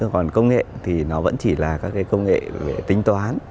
còn công nghệ thì nó vẫn chỉ là các công nghệ tính toán